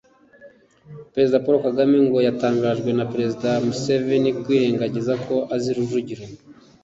Perezida Paul Kagame ngo yatangajwe na Perezida Museveni kwirengagiza ko azi Rujugiro